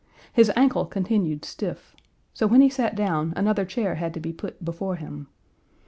His ankle continued stiff; so when he sat down another chair had to be put before him.